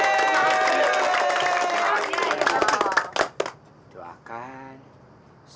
semoga usaha kita berhasil ya tuhan ya